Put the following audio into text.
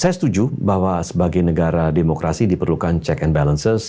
saya setuju bahwa sebagai negara demokrasi diperlukan check and balances